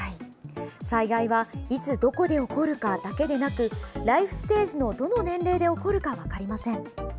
災害はいつどこで起こるかだけでなくライフステージのどの年齢で起こるか分かりません。